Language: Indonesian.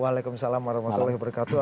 waalaikumsalam warahmatullahi wabarakatuh